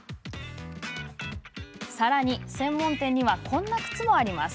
さらに専門店にはこんな靴もあります。